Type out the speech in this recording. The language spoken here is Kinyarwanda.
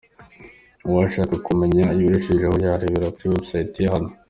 Uwashaka kumenya ibirushijeho yarebera kuri website ye hano :.